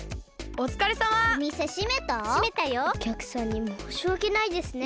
おきゃくさんにもうしわけないですね。